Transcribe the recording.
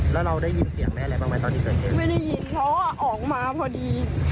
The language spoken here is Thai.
แล้วเราได้ยินเสียงแม่อะไรบ้างไหมตอนที่เกิดเหตุไม่ได้ยินเพราะว่าออกมาพอดี